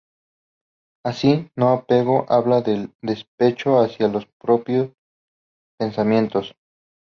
Así "No apego" habla del desapego hacia los propios pensamientos.